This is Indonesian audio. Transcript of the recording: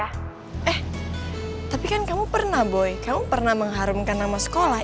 eh tapi kan kamu pernah boy kamu pernah mengharumkan nama sekolah